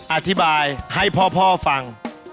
อธิบายให้พ่อฟัง